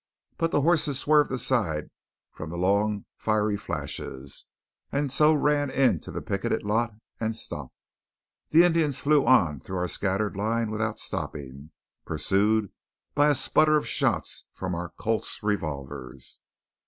But the horses swerved aside from the long fiery flashes, and so ran into the picketed lot and stopped. The Indians flew on through our scattered line without stopping, pursued by a sputter of shots from our Colt's revolvers.